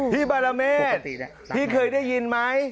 บารเมฆพี่เคยได้ยินไหม